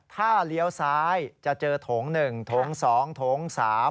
ถ้าเลี้ยวซ้ายจะเจอโถง๑โถง๒โถง๓